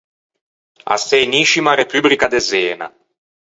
A sëniscima Repubrica de Zena.